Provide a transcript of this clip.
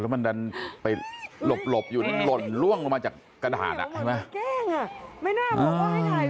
โอ้แล้วมันดันไปหลบอยู่หล่นล่วงลงมาจากกระดาษอ่ะมันแกล้งอ่ะไม่น่าบอกว่าให้ถ่ายวีดีโอแล้ว